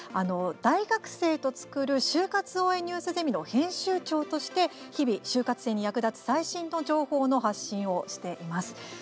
「大学生とつくる就活応援ニュースゼミ」の編集長として、日々就活生に役立つ最新の情報の発信をしています。